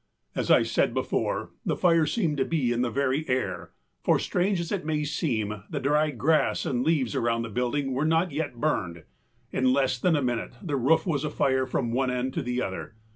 As I said before, the fire seemed to be in the very air, for strange as it may seem, the dry grass and leaves around the buildings were not yet burned. In less than a minute the roof was afire from one end to the other.